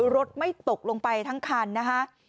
รถไม่ตกลงไปทั้งคันนะคะ